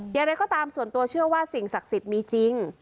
อย่างไรก็ตามส่วนตัวเชื่อว่าสิ่งศักดิ์สิทธิ์มีจริง